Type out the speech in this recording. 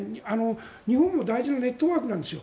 日本も大事なネットワークなんですよ